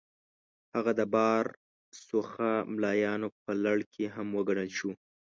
هغه د با رسوخه ملایانو په لړ کې هم وګڼل شو.